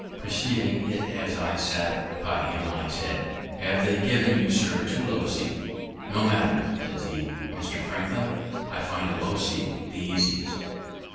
Perceiving it as I sat by him, I said, "They have given you, sir, too low a seat." "No matter," says he, "Mr. Franklin, I find a low seat the easiest."